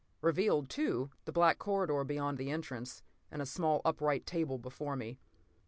Revealed, too, the black corridor beyond the entrance, and a small, upright table before me.